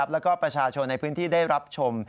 แล้วก็ประชาชนในพื้นที่ได้รับชม